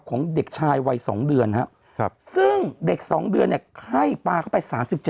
ของเด็กชายวัย๒เดือนครับซึ่งเด็ก๒เดือนเนี่ยไข้ปลาเข้าไป๓๗